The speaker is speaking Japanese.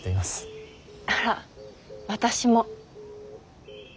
あら私も。